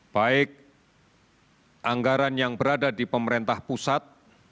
baik anggaran yang berada di pemerintah pusat